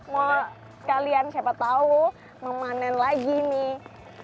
mau sekalian siapa tahu memanen lagi nih